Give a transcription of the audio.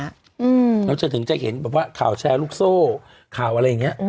เราจะถึงจะเห็นแบบว่าข่าวแชร์ลูกโซ่ข่าวอะไรอย่างนี้